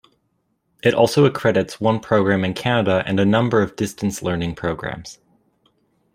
It also accredits one program in Canada and a number of distance learning programs.